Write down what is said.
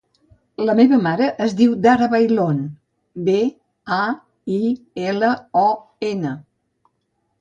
La meva mare es diu Dara Bailon: be, a, i, ela, o, ena.